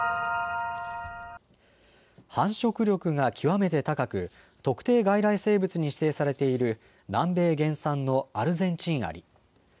繁殖力が極めて高く特定外来生物に指定されている南米原産のアルゼンチンアリ。